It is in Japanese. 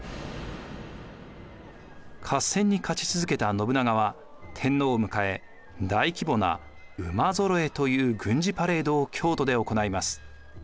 合戦に勝ち続けた信長は天皇を迎え大規模な馬揃えという軍事パレードを京都で行います。